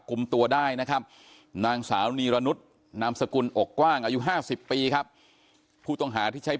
กลุ่มตัวได้นะครับนางสาวนีรนุษย์นามสกุลอกกว้างอายุ๕๐ปีครับผู้ต้องหาที่ใช้